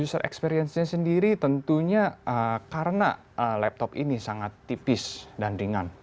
user experience nya sendiri tentunya karena laptop ini sangat tipis dan ringan